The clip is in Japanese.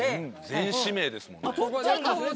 全指名ですもんね。